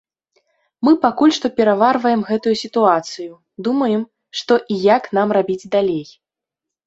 Мы пакуль што пераварваем гэтую сітуацыю, думаем, што і як нам рабіць далей.